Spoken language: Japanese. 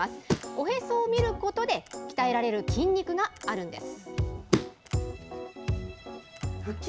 おへそを見ることで、鍛えられる筋肉があるんです。